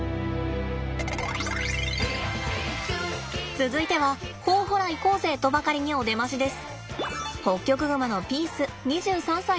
続いてはほほら行こうぜとばかりにお出ましです。